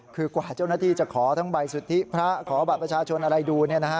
คือกว่าเจ้าหน้าที่จะขอทั้งใบสุทธิพระขอบัตรประชาชนอะไรดู